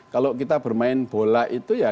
kalau kita bermain bola itu ya